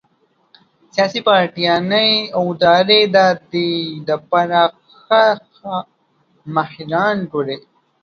سياسي پارټيانې او ادارې د دې د پاره ښۀ ښۀ ماهران ګوري